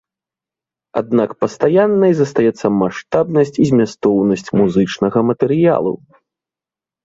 Аднак пастаяннай застаецца маштабнасць і змястоўнасць музычнага матэрыялу.